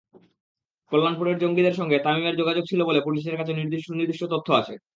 কল্যাণপুরের জঙ্গিদের সঙ্গে তামিমের যোগাযোগ ছিল বলে পুলিশের কাছে সুনির্দিষ্ট তথ্য আছে।